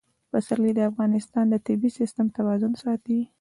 پسرلی د افغانستان د طبعي سیسټم توازن ساتي.